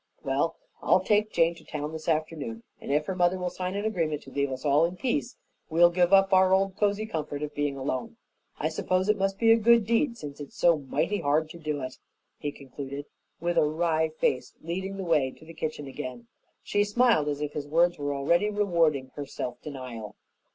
"Well, I'll take Jane to town this afternoon, and if her mother will sign an agreement to leave us all in peace, we'll give up our old cozy comfort of being alone. I suppose it must be a good deed, since it's so mighty hard to do it," he concluded with a wry face, leading the way to the kitchen again. She smiled as if his words were already rewarding her self denial.